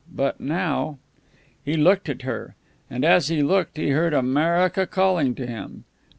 But now He looked at her. And, as he looked, he heard America calling to him.